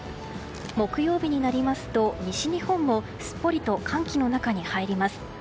木曜日になりますと西日本も、すっぽりと寒気の中に入ります。